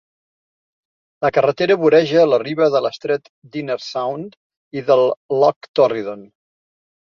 La carretera voreja la riba de l'estret d'Inner Sound i del Loch Torridon.